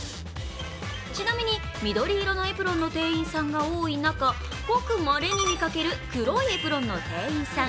ちなみに、緑色のエプロンの店員さんが多い中、ごくまれに見かける黒いエプロンの店員さん。